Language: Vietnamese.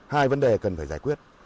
hai vấn đề cần phải giải quyết